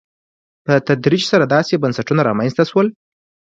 په تدریج سره داسې بنسټونه رامنځته شول.